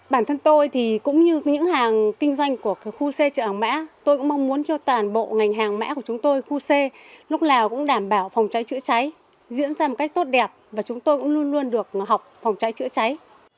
bản thân tôi thì cũng như những hàng kinh doanh của khu xe chợ hàng mã tôi cũng mong muốn cho toàn bộ ngành hàng mã của chúng tôi khu xe lúc nào cũng đảm bảo phòng cháy chữa cháy diễn ra một cách tốt đẹp và chúng tôi cũng luôn luôn được học phòng cháy chữa cháy